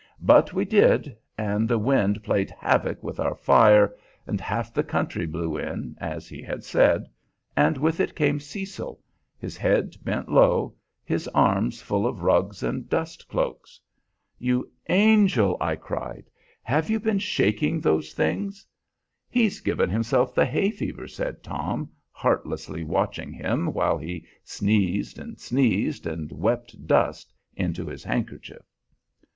But we did, and the wind played havoc with our fire, and half the country blew in, as he had said, and with it came Cecil, his head bent low, his arms full of rugs and dust cloaks. "You angel!" I cried, "have you been shaking those things?" "He's given himself the hay fever," said Tom, heartlessly watching him while he sneezed and sneezed, and wept dust into his handkerchief.